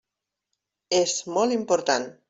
És molt important.